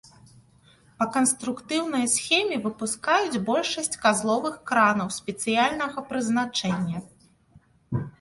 Па канструктыўнай схеме выпускаюць большасць казловых кранаў спецыяльнага прызначэння.